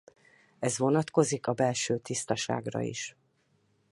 Ez vonatkozik a belső tisztaságra is.